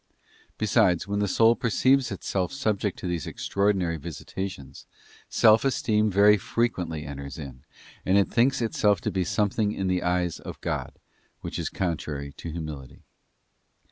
Besides, when the soul perceives itself subject to these extraordinary visitations, self esteem very frequently enters in, and it thinks itself to be something in the eyes of God, which is contrary to humility.